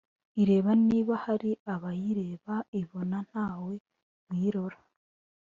ireba niba hari abayireba, ibona ntawe uyirora,